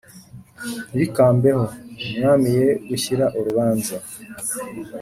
Ntibikambeho! Umwami ye gushyira urubanza